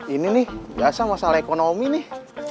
ini nih biasa masalah ekonomi nih